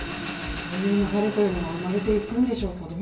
そういう流れというのは生まれていくんでしょうか？